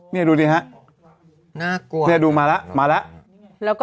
นี่ดูดินะฮะนี่ดูมาแล้วมาแล้ว